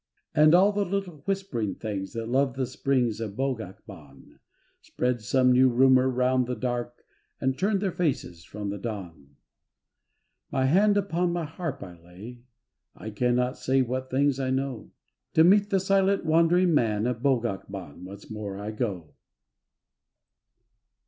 And all the little whispering things That love the springs of Bogac Ban, Spread some new rumour round the dark And turned their faces from the dawn. My hand upon my harp I lay, I cannot say what things I know; To meet the Silent Wandering Man Of Bogac Ban once more I go.